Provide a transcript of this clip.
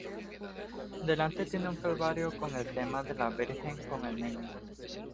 Delante tiene un calvario con el tema de la Virgen con el Niño.